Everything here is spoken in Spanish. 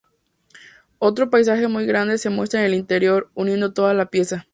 Otro paisaje muy grande se muestra en el interior, uniendo toda la pieza.